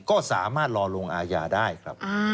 ก็สามารถรอลงอาญาได้ครับ